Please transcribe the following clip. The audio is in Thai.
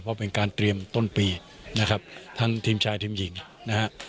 เพราะเป็นการเตรียมต้นปีนะครับทั้งทีมชายทีมหญิงนะฮะ